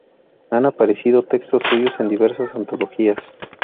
Han aparecido textos suyos en diversas antologías.